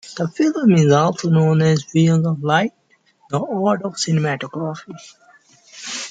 The film is also known as Visions of Light: The Art of Cinematography.